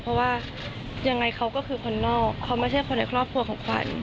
เพราะว่ายังไงเขาก็คือคนนอกเขาไม่ใช่คนในครอบครัวของขวัญ